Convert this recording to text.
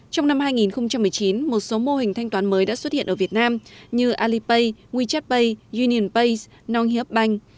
trong năm hai nghìn một mươi chín một số mô hình thanh toán mới đã xuất hiện ở việt nam như alipay wechat pay unionpay nong hiếp banh